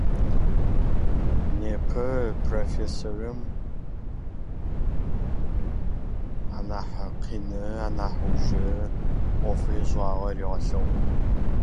Он сегодня представлял профессору последнюю и самую трудную практическую работу — инструментальную съемку местности...